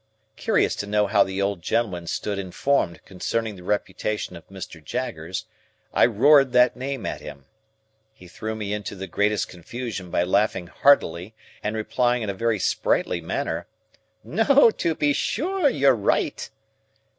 Curious to know how the old gentleman stood informed concerning the reputation of Mr. Jaggers, I roared that name at him. He threw me into the greatest confusion by laughing heartily and replying in a very sprightly manner, "No, to be sure; you're right."